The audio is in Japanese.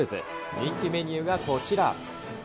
人気メニューがこちら。